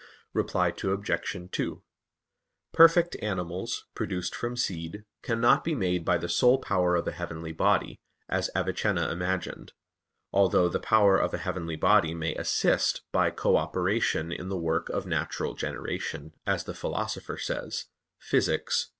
Reply Obj. 2: Perfect animals, produced from seed, cannot be made by the sole power of a heavenly body, as Avicenna imagined; although the power of a heavenly body may assist by co operation in the work of natural generation, as the Philosopher says (Phys.